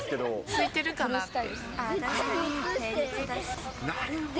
空いてるかなって。